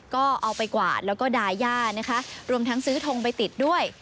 ก็เอาไปกวาดแล้วก็ดาย่านะคะรวมทั้งซื้อทงไปติดด้วย